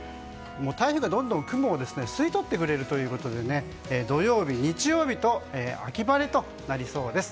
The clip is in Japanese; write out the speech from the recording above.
台風がどんどん雲を吸い取ってくれるということで土曜日、日曜日と秋晴れとなりそうです。